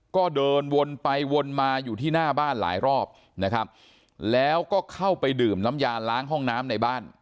ก็เดินวนไปวนมาอยู่ที่หน้าบ้านหลายรอบนะครับแล้วก็เข้าไปดื่มน้ำยาล้างห้องน้ำในบ้าน